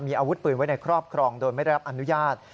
มีอาวุธปืนไว้ในครอบครองโดยไม่ได้รับอนุญาต